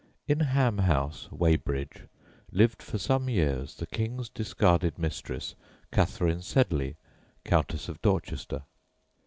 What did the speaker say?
In Ham House, Weybridge, lived for some years the King's discarded mistress Catherine Sedley, Countess of Dorchester.